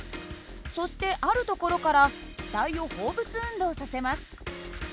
そしてある所から機体を放物運動させます。